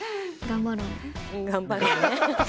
「頑張ろうね」！